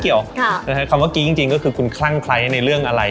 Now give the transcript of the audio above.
คำว่ากี้จริงก็คือคุณคลั่งไคร้ในเรื่องอะไร